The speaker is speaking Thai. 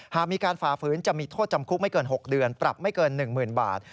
หากมีการฝ่าฝืนจะมีโทษจำคุกไม่เกิน๖เดือนปรับไม่เกิน๑๐๐๐บาท